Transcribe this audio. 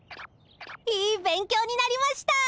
いい勉強になりました。